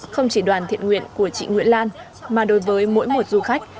không chỉ đoàn thiện nguyện của chị nguyễn lan mà đối với mỗi một du khách